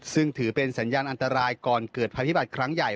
ซึ่งถือเป็นสัญญาณอันตรายก่อนเกิดภัยพิบัตรครั้งใหญ่